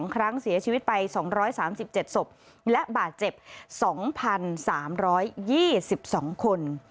๒ครั้งเสียชีวิตไป๒๓๗ศพและบาดเจ็บ๒๓๒๒คน